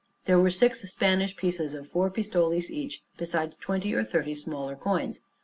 There were six Spanish pieces of four pistoles each, besides twenty or thirty smaller coins.